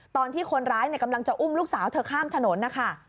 ตอนที่คนร้ายกำลังจะอุ้มลูกสาวเธอข้ามถนนนะคะ